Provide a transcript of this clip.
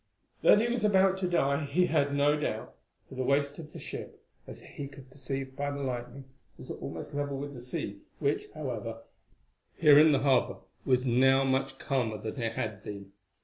That he was about to die he had no doubt, for the waist of the ship, as he could perceive by the lightning, was almost level with the sea, which, however, here in the harbour was now much calmer than it had been.